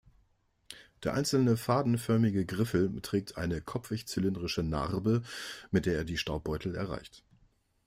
Der einzelne fadenförmige Griffel trägt eine kopfig-zylindrische Narbe, mit der er die Staubbeutel erreicht.